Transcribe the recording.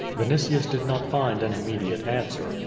Vinitius did not find an immediate answer.